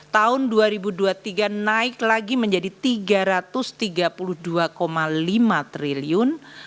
tahun dua ribu dua puluh tiga naik lagi menjadi rp tiga ratus tiga puluh dua lima triliun